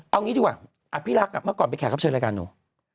เอางี้ดีกว่าอภิรักษ์เมื่อก่อนไปแขกรับเชิญรายการหนู